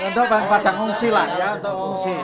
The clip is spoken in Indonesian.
untuk pada ngungsi lah ya untuk mengungsi